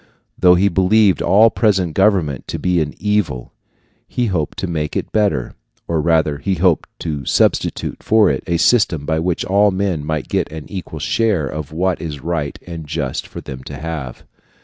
Though he believed all present government to be an evil, he hoped to make it better, or rather he hoped to substitute for it a system by which all men might get an equal share of what it is right and just for them to have.